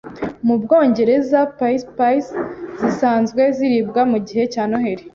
Mu Bwongereza, pies pies zisanzwe ziribwa mugihe cya Noheri